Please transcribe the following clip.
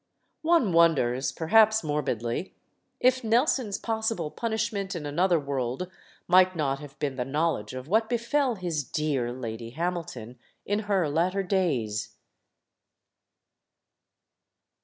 One wonders perhaps morbidly if Nelson's pos sible punishment in another world might not have been the knowledge of what befell his "dear" Lady Hamil ton in her latter days.